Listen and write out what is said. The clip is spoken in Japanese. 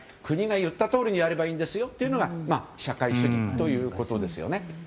国が言ったとおりにやればいいんですよというのが社会主義ということですよね。